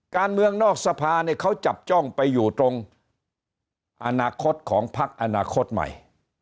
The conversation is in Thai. การเมืองนอกสภาเนี่ยเขาจับจ้องไปอยู่ตรงอนาคตของพักอนาคตใหม่